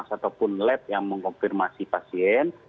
atau pun lab yang mengkonfirmasi pasien